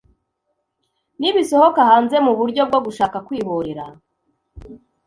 Nibisohoka hanze muburyo bwo gushaka kwihorera?